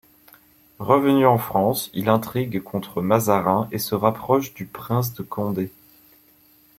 Revenu en France, il intrigue contre Mazarin et se rapproche du prince de Condé.